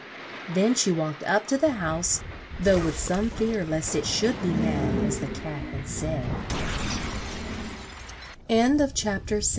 Then she walked up to the house, though with some fear lest it should be mad as the Cat had said. CHAPTER VII.